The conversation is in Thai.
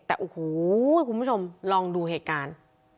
แต่โอ้โหคุณผู้ชมลองดูเหตุการณ์